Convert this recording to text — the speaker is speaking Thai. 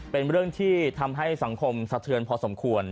เป็นเรื่องที่ทำให้สังคมสะเทือนพอสมควร